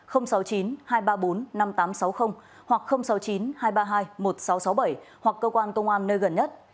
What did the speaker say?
hoặc sáu mươi chín hai trăm ba mươi hai một nghìn sáu trăm sáu mươi bảy hoặc cơ quan công an nơi gần nhất